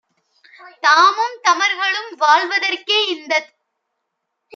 தாமும் தமர்களும் வாழ்வதற்கே இந்தத்